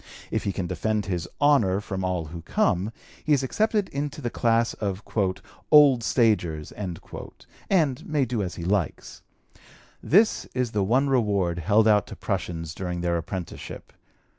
If he can defend his "honor" from all who come, he is accepted into the class of "old stagers," and may do as he likes. This is the one reward held out to prushuns during their apprenticeship.